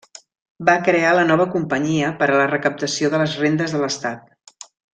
Va crear la Nova Companyia per a la recaptació de les rendes de l'Estat.